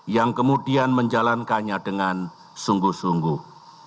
yang kemudian menjalankannya dengan sungguh sungguh